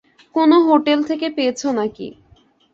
কোন হোটেল থেকে পেয়েছ নাকি?